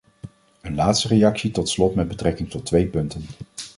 Een laatste reactie tot slot met betrekking tot twee punten.